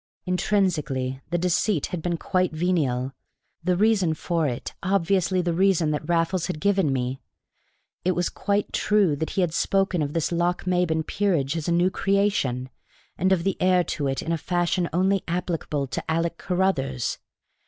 Intrinsically the deceit had been quite venial, the reason for it obviously the reason that Raffles had given me. It was quite true that he had spoken of this Lochmaben peerage as a new creation, and of the heir to it in a fashion only applicable to Alick Carruthers.